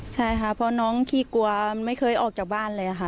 ใช่ค่ะเพราะน้องขี้กลัวไม่เคยออกจากบ้านเลยค่ะ